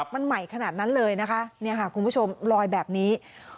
มันใหม่ขนาดนั้นเลยนะคะเนี่ยค่ะคุณผู้ชมลอยแบบนี้